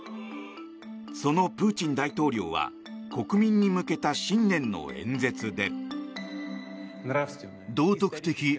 そのプーチン大統領は国民に向けた新年の演説で。